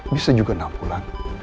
bisa juga enam bulan